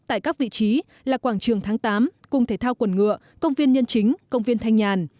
tại các vị trí là quảng trường tháng tám cùng thể thao quần ngựa công viên nhân chính công viên thanh nhàn